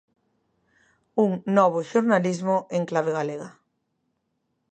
Un "novo xornalismo" en clave galega.